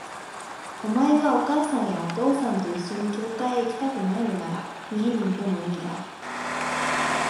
お前がお母さんやお父さんと一緒に教会へ行きたくないのなら、家にいてもいいが、